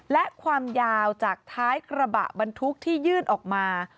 และความยาวจากท้ายกระบะบรรทุกที่ยื่นออกมา